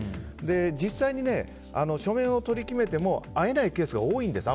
実際に書面を取り決めても会えないケースが多いんです。